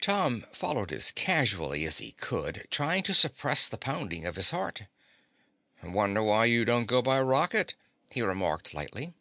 Tom followed as casually as he could, trying to suppress the pounding of his heart. "Wonder you don't go by rocket," he remarked lightly.